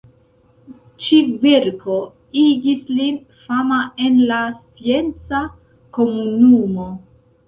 Ĉi-verko igis lin fama en la scienca komunumo.